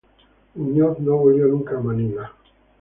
Muñoz no volvió nunca a Manila.